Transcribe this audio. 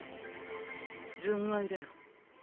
純愛だよ。